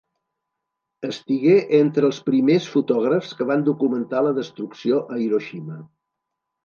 Estigué entre els primers fotògrafs que van documentar la destrucció a Hiroshima.